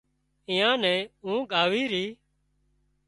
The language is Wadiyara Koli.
ايئان نين اونگھ آوي ري